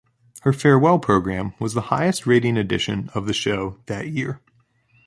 Her farewell program was the highest rating edition of the show that year.